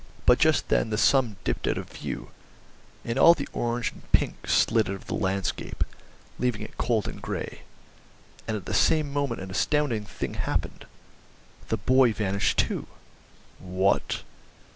But just then the sun dipped out of view, and all the orange and pink slid out of the landscape, leaving it cold and grey. And at the same moment an astounding thing happened—the boy vanished too!" "What!